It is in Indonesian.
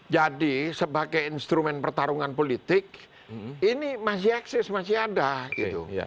jadi sebagai instrumen pertarungan politik ini masih eksis masih ada gitu